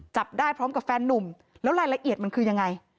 จับได้พร้อมกับแฟนนุ่มแล้วรายละเอียดมันคือยังไง